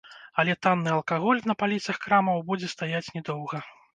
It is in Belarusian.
Але танны алкаголь на паліцах крамаў будзе стаяць не доўга.